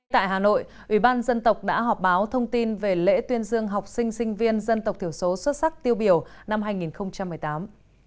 tại hà nội ủy ban dân tộc đã họp báo thông tin về lễ tuyên dương học sinh sinh viên dân tộc thiểu số xuất sắc tiêu biểu năm hai nghìn một mươi tám